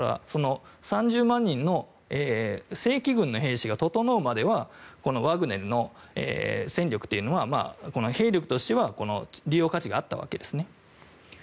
３０万人の正規軍の兵士が整うまではワグネルの戦力というのは兵力としては利用価値があったわけですね。